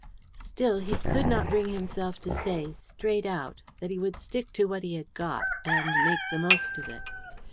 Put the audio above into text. Still, he could not bring himself to say, straight out, that he would stick to what he had got, and make the most of it.